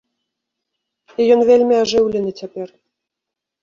І ён вельмі ажыўлены цяпер.